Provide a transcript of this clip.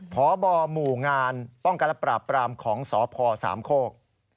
พบหมู่งานป้องกันและปราบปรามของสพสามโคก